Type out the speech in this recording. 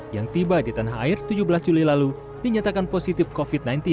yang tiba di tanah air tujuh belas juli lalu dinyatakan positif covid sembilan belas